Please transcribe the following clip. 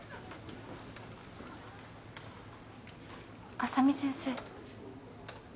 浅海先生。